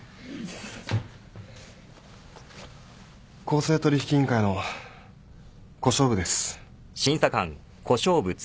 公正取引委員会の小勝負です。